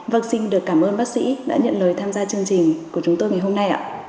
vâng xin được cảm ơn bác sĩ đã nhận lời tham gia chương trình của chúng tôi ngày hôm nay